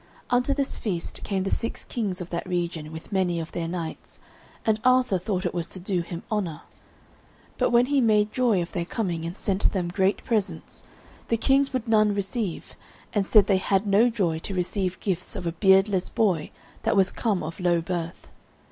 Unto this feast came the six kings of that region with many of their knights, and Arthur thought it was to do him honour. But when he made joy of their coming and sent them great presents, the kings would none receive, and said they had no joy to receive gifts of a beardless boy that was come of low birth.